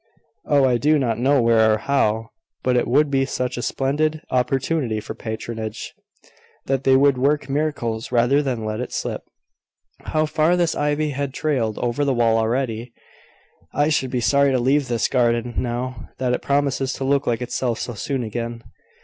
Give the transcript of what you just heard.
Oh, I do not know where or how; but it would be such a splendid opportunity for patronage, that they would work miracles rather than let it slip. How far this ivy has trailed over the wall already! I should be sorry to leave this garden now that it promises to look like itself so soon again.